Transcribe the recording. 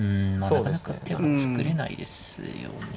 うんなかなか手は作れないですよね。